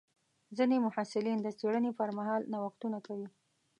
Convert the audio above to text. ځینې محصلین د څېړنې پر مهال نوښتونه کوي.